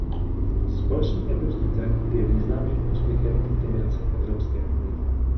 Společný evropský trh je významným úspěchem integrace Evropské unie.